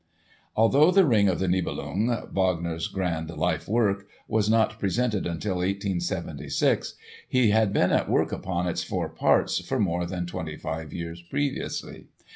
Although "The Ring of the Nibelung," Wagner's grand lifework, was not presented until 1876, he had been at work upon its four parts for more than twenty five years previously.